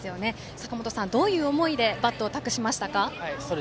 さかもとさん、どんな思いでバットを託しましたか？